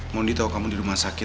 mondi tau kamu di rumah sakit